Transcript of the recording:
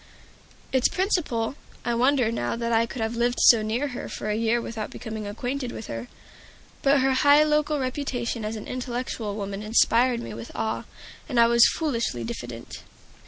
Its Principal I wonder now that I could have lived so near her for a year without becoming acquainted with her, but her high local reputation as an intellectual woman inspired me with awe, and I was foolishly diffident.